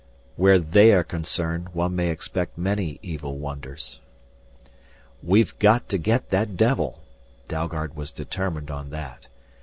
"Where they are concerned, one may expect many evil wonders." "We've got to get that devil!" Dalgard was determined on that.